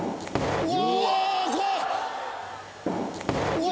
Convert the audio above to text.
うわ！